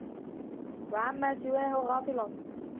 وَعَمَّا سِوَاهُ غَافِلٌ